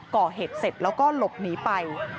ก่อเหตุเสร็จแล้วก็หลบหนีไป